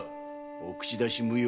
お口出し無用。